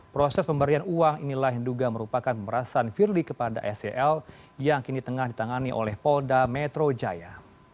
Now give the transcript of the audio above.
proses pemberian uang inilah yang duga merupakan pemerasan firly kepada sel yang kini tengah ditangani oleh polda metro jaya